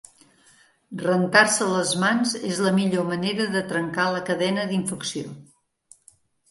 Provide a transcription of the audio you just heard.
Rentar-se les mans és la millor manera de trencar la cadena d'infecció.